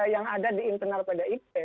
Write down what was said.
yang ada di internal pdip